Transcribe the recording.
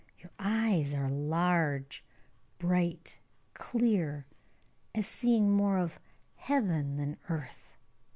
Your eyes are large, bright, clear, as seeing more of heaven than earth.